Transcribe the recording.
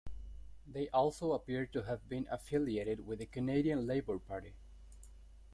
They also appear to have been affiliated with the Canadian Labour Party.